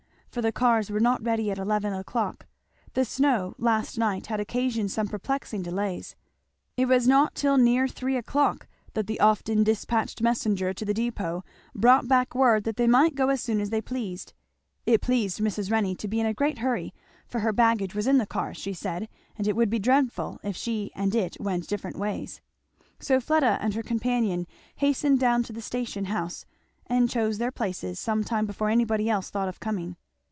For the cars were not ready at eleven o'clock; the snow last night had occasioned some perplexing delays. It was not till near three o'clock that the often despatched messenger to the dépôt brought back word that they might go as soon as they pleased. It pleased Mrs. Renney to be in a great hurry, for her baggage was in the cars she said, and it would be dreadful if she and it went different ways; so Fleda and her companion hastened down to the station house and choose their places some time before anybody else thought of coming.